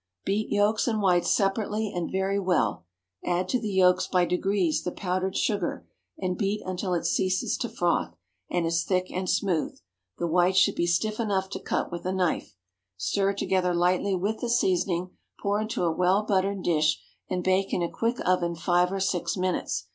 Beat yolks and whites separately and very well. Add to the yolks by degrees the powdered sugar, and beat until it ceases to froth, and is thick and smooth. The whites should be stiff enough to cut with a knife. Stir together lightly with the seasoning, pour into a well buttered dish, and bake in a quick oven five or six minutes.